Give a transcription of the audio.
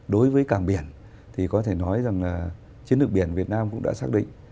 đối với cảng biển thì có thể nói rằng là chiến lược biển việt nam cũng đã xác định